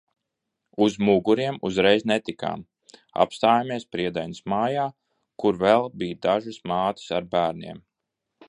Uz Muguriem uzreiz netikām, apstājāmies Priedaines mājā, kur vēl bija dažas mātes ar bērniem.